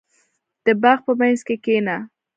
• د باغ په منځ کې کښېنه.